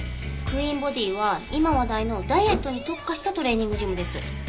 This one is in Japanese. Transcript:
クイーンボディーは今話題のダイエットに特化したトレーニングジムです。